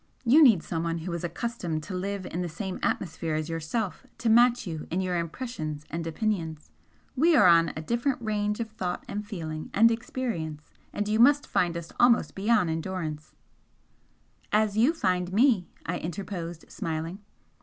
You need someone who is accustomed to live in the same atmosphere as yourself to match you in your impressions and opinions. We are on a different range of thought and feeling and experience and you must find us almost beyond endurance " "As you find me!" I interposed, smiling.